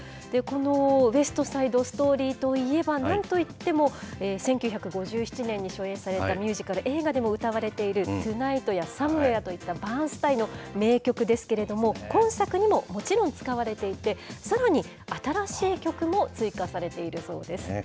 このウエスト・サイド・ストーリーといえば、なんといっても、１９５７年に初演されたミュージカル映画でも歌われているトゥナイトや、サムウェアといったバーンスタインの名曲ですけれども、今作にももちろん使われていて、さらに新しい曲も追加されているそうです。